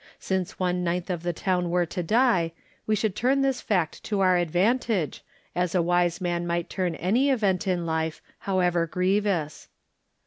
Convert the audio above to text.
Since one ninth of the town were to die, we should turn this fact to our advantage, as a wise man might turn any event in life, however grievous.